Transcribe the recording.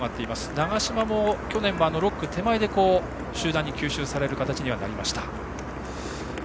長嶋も、去年は６区手前で集団に吸収される形にはなりました。